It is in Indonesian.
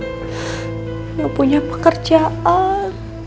enggak punya pekerjaan